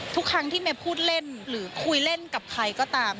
ทุกครั้งที่เมย์พูดเล่นหรือคุยเล่นกับใครก็ตาม